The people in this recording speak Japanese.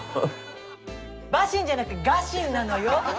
バシンじゃなくてガシンなのよ。